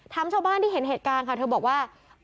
ชาวบ้านที่เห็นเหตุการณ์ค่ะเธอบอกว่า